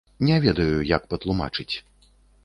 Не ведаю, як патлумачыць.